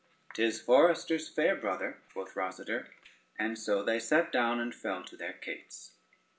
"'Tis foresters' fare, brother," quoth Rosader; and so they sate down and fell to their cates.